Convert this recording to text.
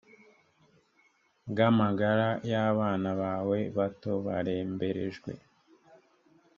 bw amagara y abana bawe bato baremberejwe